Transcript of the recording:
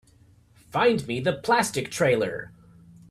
Find me the Plastic trailer.